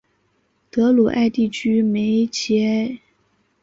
德鲁艾地区梅齐埃。